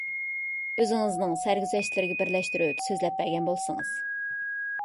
ئۆزىڭىزنىڭ سەرگۈزەشتلىرىگە بىرلەشتۈرۈپ سۆزلەپ بەرگەن بولسىڭىز.